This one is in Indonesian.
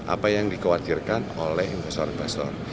apa yang dikhawatirkan oleh investor investor